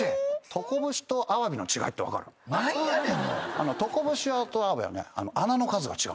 何やねん？